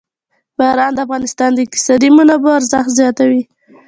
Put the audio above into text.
باران د افغانستان د اقتصادي منابعو ارزښت زیاتوي.